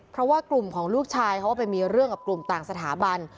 เพราะว่ากลุ่มของลูกชายเขาก็ไปมีเรื่องกับกลุ่มต่างสถาบัน